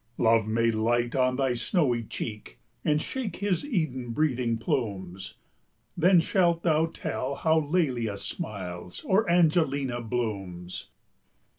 Love may light on thy snowy cheek, And shake his Eden breathing plumes; Then shalt thou tell how Lelia smiles, Or Angelina blooms.